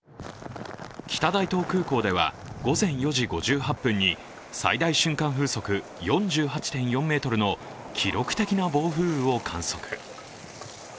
北大東空港では午前４時５８分に最大瞬間風速４８．４メートルの記録的な暴風雨を観測。